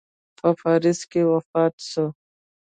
په پاریس کې وفات سو.